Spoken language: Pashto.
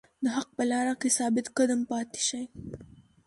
د حق په لاره کې ثابت قدم پاتې شئ.